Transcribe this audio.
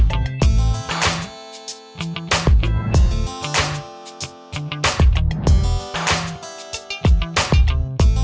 โอ้โฮ